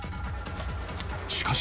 しかし、